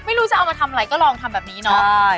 ไม่รู้จะเอามาทำอะไรก็ลองทำแบบนี้เนาะ